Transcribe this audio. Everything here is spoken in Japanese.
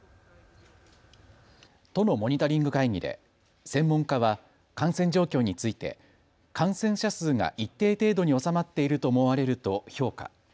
都のモニタリング会議で専門家は感染状況について感染者数が一定程度に収まっていると思われると評価。